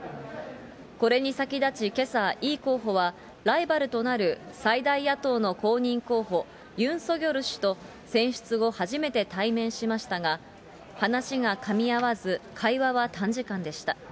これに先立ち、けさ、イ候補は、ライバルとなる最大野党の公認候補、ユン・ソギョル氏と選出後、初めて対面しましたが、話がかみ合わず、会話は短時間でした。